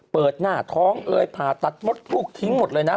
เปิดหน้าท้องเอ่ยผ่าตัดมดลูกทิ้งหมดเลยนะ